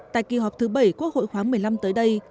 tại kỳ họp thứ bảy quốc hội khoáng một mươi năm tới đây